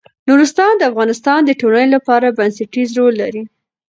نورستان د افغانستان د ټولنې لپاره بنسټيز رول لري.